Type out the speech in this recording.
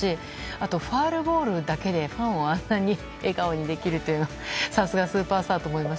あと、ファウルボールだけでファンをあんなに笑顔にできるのはさすがスーパースターだと。